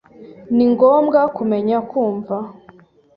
Ni ngombwa kumenya kumva.